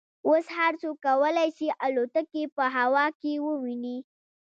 اوس هر څوک کولای شي الوتکې په هوا کې وویني